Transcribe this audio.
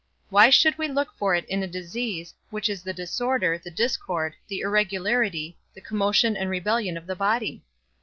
Why should we look for it in a disease, which is the disorder, the discord, the irregularity, the commotion and rebellion of the body?